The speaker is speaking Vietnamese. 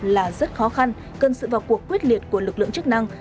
là rất khó khăn cần sự vào cuộc quyết liệt của lực lượng chức năng